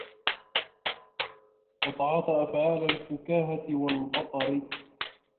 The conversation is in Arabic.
وَتَعَاطَى أَفْعَالَ الْفُكَاهَةِ وَالْبَطَرِ